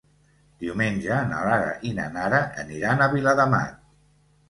Diumenge na Lara i na Nara aniran a Viladamat.